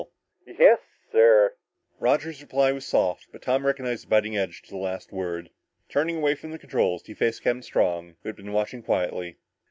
"Yes, sir!" Roger's voice was soft but Tom recognized the biting edge to the last word. Turning away from the controls, he faced Captain Strong who had been watching quietly.